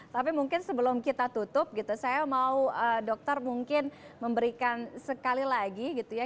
tapi mungkin sebelum kita tutup gitu saya mau dokter mungkin memberikan sekali lagi gitu ya